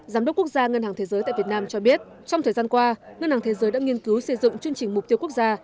giám đốc quốc gia ngân hàng thế giới tại việt nam cho biết trong thời gian qua ngân hàng thế giới đã nghiên cứu xây dựng chương trình mục tiêu quốc gia